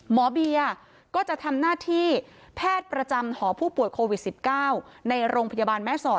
หมอเบียก็จะทำหน้าที่แพทย์ประจำหอผู้ป่วยโควิด๑๙ในโรงพยาบาลแม่สอด